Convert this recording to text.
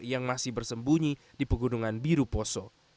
yang masih bersembunyi di pegunungan biru poso